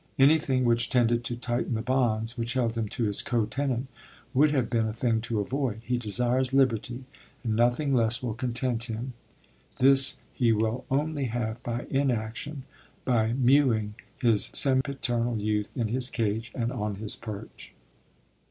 Anything which tended to tighten the bonds which held him to his co tenant would have been a thing to avoid. He desires liberty, and nothing less will content him. This he will only have by inaction, by mewing his sempiternal youth in his cage and on his perch.